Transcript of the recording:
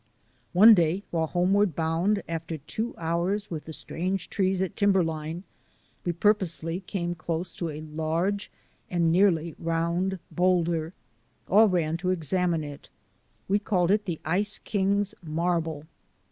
One day while homeward bound, after two hours with the strange trees at timberline, we purposely came close to a large and nearly round boulder. All ran to examine it. We called it the Ice King's marble.